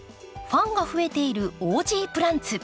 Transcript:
ファンが増えているオージープランツ。